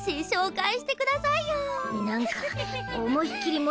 紹介してください。